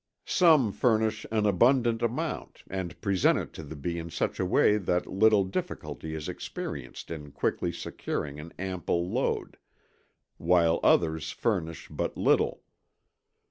Some furnish an abundant amount and present it to the bee in such a way that little difficulty is experienced in quickly securing an ample load, while others furnish but little.